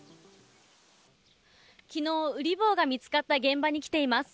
昨日、ウリ坊が見つかった現場に来ています。